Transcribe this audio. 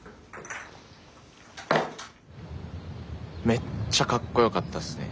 めっちゃかっこよかったっすね。